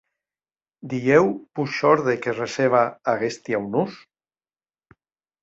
Dilhèu vos shòrde que receba aguesti aunors?